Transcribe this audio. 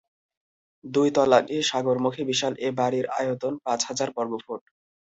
দুটি তলা নিয়ে সাগরমুখী বিশাল এ বাড়ির আয়তন পাঁচ হাজার বর্গফুট।